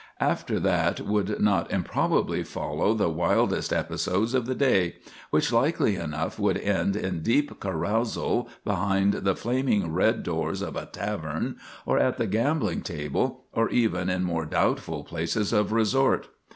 After that would not improbably follow the wildest episodes of the day, which likely enough would end in deep carousal behind the flaming red doors of a tavern, or at the gambling table, or even in more doubtful places of resort.